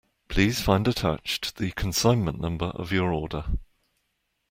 Please find attached the consignment number of your order.